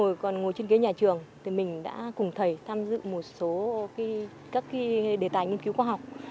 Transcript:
rồi còn ngồi trên ghế nhà trường thì mình đã cùng thầy tham dự một số các đề tài nghiên cứu khoa học